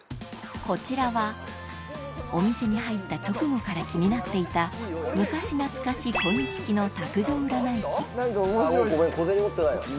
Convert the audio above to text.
こちらはお店に入った直後から気になっていた昔懐かしいごめん小銭持ってないわ。